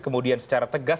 kemudian secara tegas